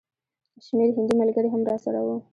شمېر هندي ملګري هم راسره وو.